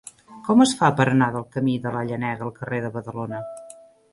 Com es fa per anar del camí de la Llenega al carrer de Badalona?